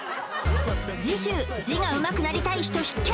次週字がうまくなりたい人必見！